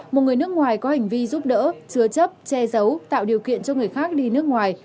một người nước ngoài có hành vi giúp đỡ chứa chấp che giấu tạo điều kiện cho người khác đi nước ngoài